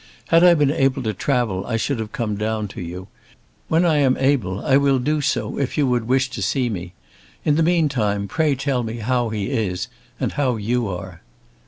Had I been able to travel I should have come down to you. When I am able I will do so if you would wish to see me. In the meantime pray tell me how he is, and how you are.